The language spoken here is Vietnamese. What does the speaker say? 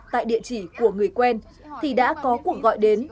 tại địa chỉ của người quen thì đã có cuộc gọi đến